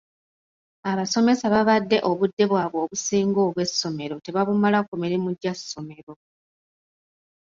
Abasomesa babadde obudde bwabwe obusinga obw’essomero tebabumala ku mirimu gya ssomero.